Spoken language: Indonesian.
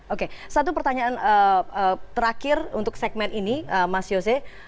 oke satu pertanyaan terakhir untuk segmen ini mas yose